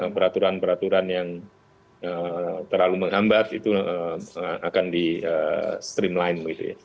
peraturan peraturan yang terlalu menghambat itu akan di streamline